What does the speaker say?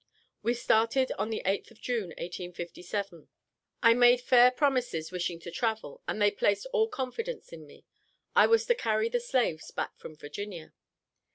We started on the 8th of June, 1857. I made fair promises wishing to travel, and they placed all confidence in me. I was to carry the slaves back from Virginia.